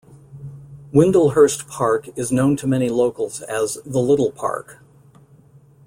"Windlehurst Park" is known to many locals as "the little park".